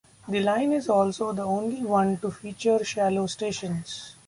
The line is also the only one to feature shallow stations.